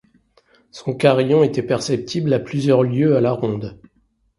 Son carillon était perceptible à plusieurs lieues à la ronde.